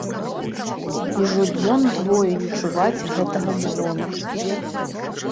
Ужо дзён двое не чуваць гэтага звону.